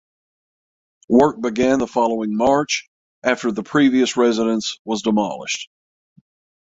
Work began the following March after the previous residence was demolished.